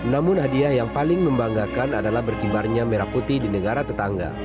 namun hadiah yang paling membanggakan adalah berkibarnya merah putih di negara tetangga